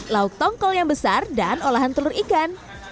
lauk tongkol yang besar dan olahan telur ikan